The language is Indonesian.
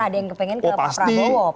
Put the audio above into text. ada yang kepengen ke pak prabowo